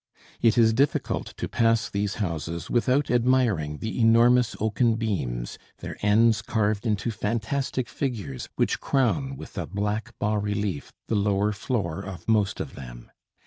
It is difficult to pass these houses without admiring the enormous oaken beams, their ends carved into fantastic figures, which crown with a black bas relief the lower floor of most of them.